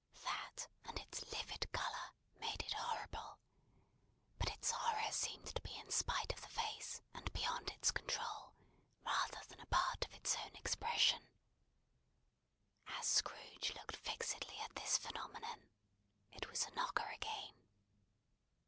That, and its livid colour, made it horrible; but its horror seemed to be in spite of the face and beyond its control, rather than a part of its own expression. As Scrooge looked fixedly at this phenomenon, it was a knocker again.